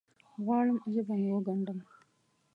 غواړم ژبه مې وګنډم